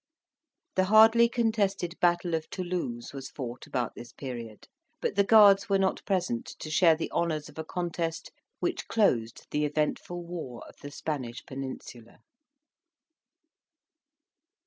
The hardly contested battle of Toulouse was fought about this period, but the Guards were not present to share the honours of a contest which closed the eventful war of the Spanish Peninsula.